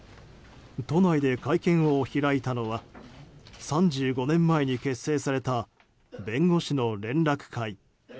都内で会見を開いたのは３５年前に結成された弁護士の連絡会。